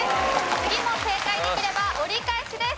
次も正解できれば折り返しです。